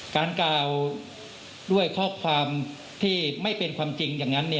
การกล่าวด้วยข้อความที่ไม่เป็นความจริงอย่างนั้น